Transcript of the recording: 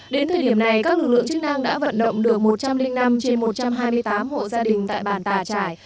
đến thời điểm này các lực lượng chức năng đã vận động được một trăm linh năm trên một trăm hai mươi tám hộ gia đình tại bản tà trải